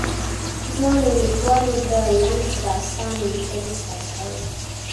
ځوانو ليکوالو د لنډ داستان ليکل زده کړل.